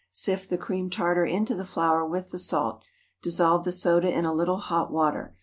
Sift the cream tartar into the flour with the salt. Dissolve the soda in a little hot water.